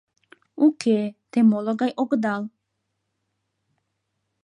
— Уке, те моло гай огыдал.